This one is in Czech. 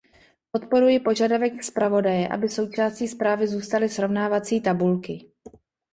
Podporuji požadavek zpravodaje, aby součástí zprávy zůstaly srovnávací tabulky.